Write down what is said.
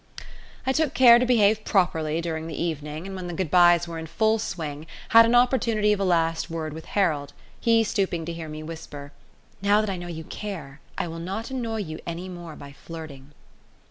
I took care to behave properly during the evening, and when the good byes were in full swing had an opportunity of a last word with Harold, he stooping to hear me whisper: "Now that I know you care, I will not annoy you any more by flirting."